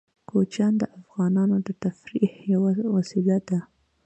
کوچیان د افغانانو د تفریح یوه وسیله ده.